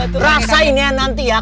itu rasain ya nanti ya